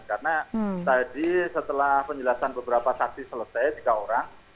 karena tadi setelah penjelasan beberapa saksi selesai tiga orang